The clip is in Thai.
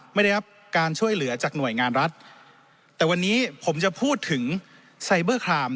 ไม่ได้รับการช่วยเหลือจากหน่วยงานรัฐแต่วันนี้ผมจะพูดถึงไซเบอร์คลาม